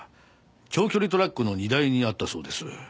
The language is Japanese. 長距離トラックの荷台にあったそうです。